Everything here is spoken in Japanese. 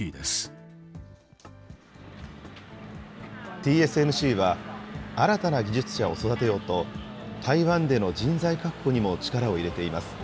ＴＳＭＣは、新たな技術者を育てようと、台湾での人材確保にも力を入れています。